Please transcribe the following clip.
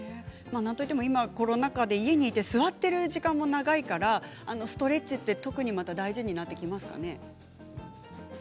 コロナ禍で家にいて座っている時間が長いからストレッチは特に大事になってきますよね。